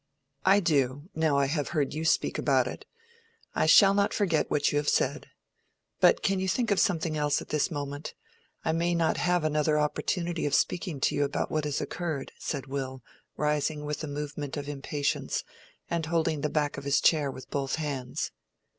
"I do, now I have heard you speak about it. I shall not forget what you have said. But can you think of something else at this moment? I may not have another opportunity of speaking to you about what has occurred," said Will, rising with a movement of impatience, and holding the back of his chair with both hands.